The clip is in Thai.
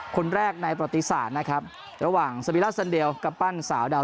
คนแรกในประติศาสตร์นะครับระหว่างสวิล่าเซนเดลกัปปั้นสาวดาว